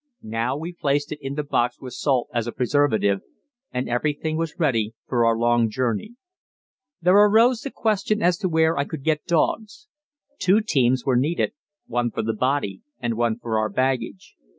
Now we placed it in the box with salt as a preservative, and everything was ready for our long journey. Then arose the question as to where I could get dogs. Two teams were needed, one for the body and one for our baggage.